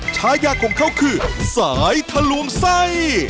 ชายาของเขาคือสายทะลวงไส้